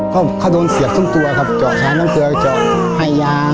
เขาเขาโดนเสียบทุกตัวครับจอกช้าน้ำเตือจอกไห้ยา